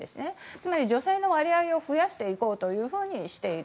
つまり女性の割合を増やしていこうとしている。